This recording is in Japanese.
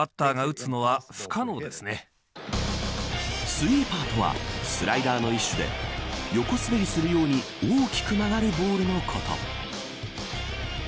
スイーパーとはスライダーの一種で横滑りするように大きく曲がるボールのこと。